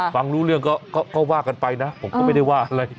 ฟังรู้เรื่องก็ว่ากันไปนะผมก็ไม่ได้ว่าอะไร